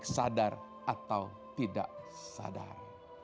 sadar atau tidak sadar